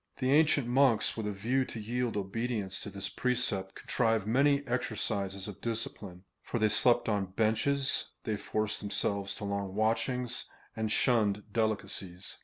The ancient monks, with a view to yield obedience to this precept, contrived many exercises of discipline, for they slept on benches, they forced themselves to long watchings, and shunned delicacies.